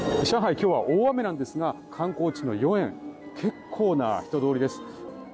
今日は大雨なんですが観光地の豫園結構な人どおりです。